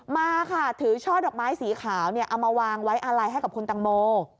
มาค่ะถือช่อดอกไม้สีขาวเอามาวางไว้อาลัยให้กับคุณตังโม